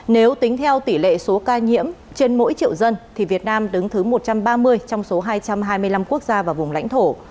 nếu tính theo tỷ lệ số ca nhiễm trên mỗi triệu dân thì việt nam đứng thứ một trăm ba mươi trong số hai trăm hai mươi năm quốc gia và vùng lãnh thổ